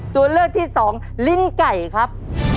ตัวเลือกที่สองลิ้นไก่ครับ